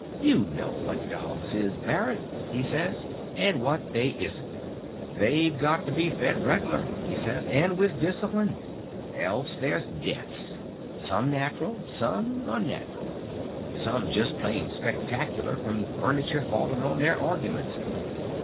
You know what dogs is, Barret', he says. 'And what they isn't. They've got to be fed regular', he says, 'and with discipline. Else there's deaths. Some natural. Some unnatural. And some just plain spectacular from furniture falling on their arguments.